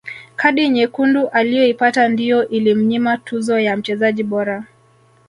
kadi nyekundu aliyoipata ndiyo ilimnyima tuzo ya mchezaji bora